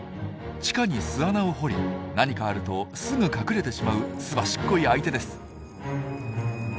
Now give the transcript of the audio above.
地下に巣穴を掘り何かあるとすぐ隠れてしまうすばしっこい相手です。